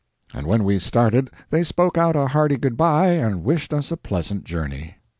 And when we started they spoke out a hearty good by and wished us a pleasant journey.